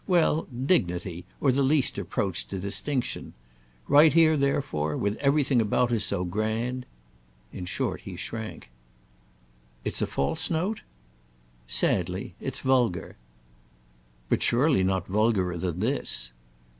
Well, dignity, or the least approach to distinction. Right here therefore, with everything about us so grand—!" In short he shrank. "It's a false note?" "Sadly. It's vulgar." "But surely not vulgarer than this."